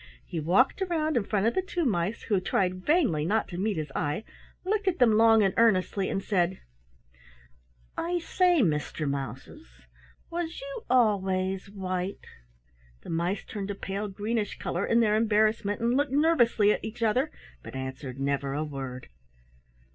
He walked around in front of the two mice, who tried vainly not to meet his eye, looked at them long and earnestly, and said: "I say, Mr. Mouses, was you always white?" The mice turned a pale greenish color in their embarrassment and looked nervously at each other, but answered never a word.